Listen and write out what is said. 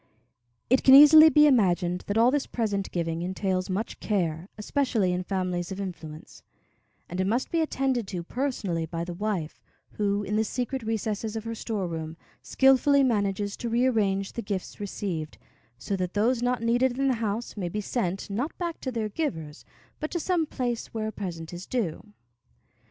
It can easily be imagined that all this present giving entails much care, especially in families of influence; and it must be attended to personally by the wife, who, in the secret recesses of her storeroom, skillfully manages to rearrange the gifts received, so that those not needed in the house may be sent, not back to their givers, but to some place where a present is due.